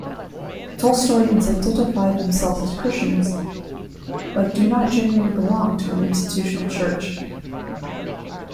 Tolstoyans identify themselves as Christians, but do not generally belong to an institutional Church.